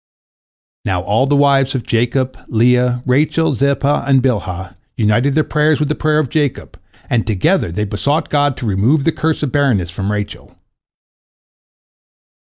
Now all the wives of Jacob, Leah, Rachel, Zilpah, and Bilhah, united their prayers with the prayer of Jacob, and together they besought God to remove the curse of barrenness from Rachel.